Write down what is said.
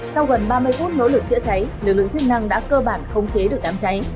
sau gần ba mươi phút nỗ lực chữa cháy lực lượng chức năng đã cơ bản khống chế được đám cháy